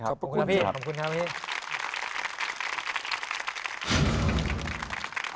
ขอบคุณนะพี่ขอบคุณครับพี่